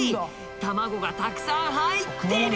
卵がたくさん入ってる。